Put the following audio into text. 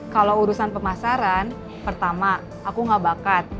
kalau urusan pemasaran pertama aku gak bakat